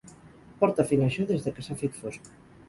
Porta fent això des de que s'ha fet fosc.